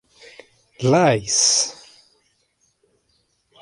Lies!